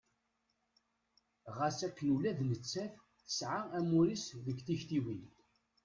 Ɣas akken ula d nettat tesɛa amur-is deg tiktiwin.